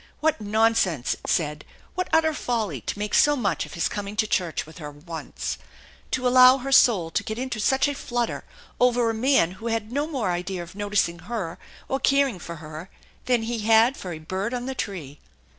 What nonsense, it said, what utter folly, to make so much of his coming to church with her once! To allow her soul to get into such a flutter over a man who had no more idea of noticing her or caring for her than he had for a bird on the tree.